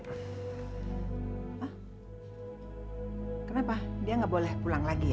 hai hai hai kenapa dia nggak boleh pulang lagi ya